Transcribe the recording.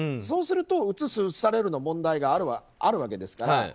そうするとうつす、うつされるの問題があるわけですから。